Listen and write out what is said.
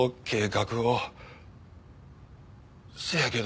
そやけど。